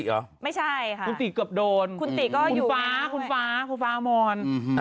ของคุณติ๋เหรอคุณติ๋เกือบโดนคุณคุณฟ้าหมอน